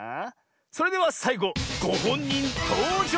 それではさいごごほんにんとうじょうクイズ！